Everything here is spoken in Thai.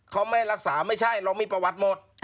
เขาไม่รักษาไม่ใช่เรามีประวัติหมด